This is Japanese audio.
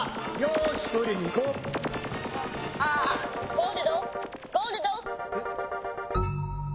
「ゴールドゴールド」。